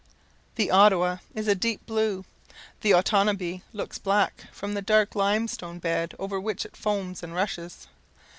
The Ottawa is a deep blue. The Otonabee looks black, from the dark limestone bed over which it foams and rushes.